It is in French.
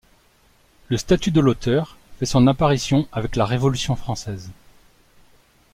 Le statut de l'auteur fait son apparition avec la Révolution française.